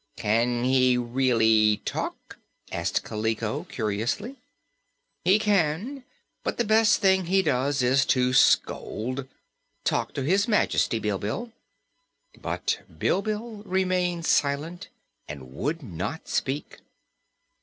"Can he really talk?" asked Kaliko, curiously. "He can. But the best thing he does is to scold. Talk to His Majesty, Bilbil." But Bilbil remained silent and would not speak.